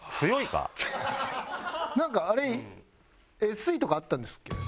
なんかあれＳＥとかあったんですっけ？